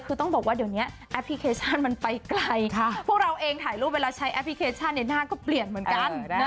คือต้องบอกว่าเดี๋ยวนี้แอปพลิเคชันมันไปไกลพวกเราเองถ่ายรูปเวลาใช้แอปพลิเคชันในหน้าก็เปลี่ยนเหมือนกัน